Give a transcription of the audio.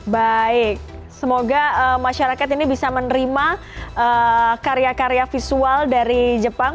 baik semoga masyarakat ini bisa menerima karya karya visual dari jepang